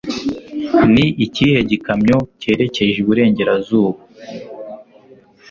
Ni ikihe gikamyo "cyerekeje iburengerazuba"